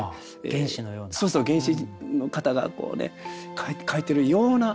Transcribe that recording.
そうそう原始人の方がこうね描いてるような。